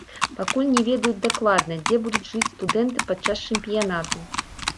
Пакуль не ведаюць дакладна, дзе будуць жыць студэнты падчас чэмпіянату.